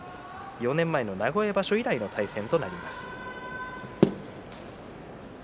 ４年前の名古屋場所以来の対戦です。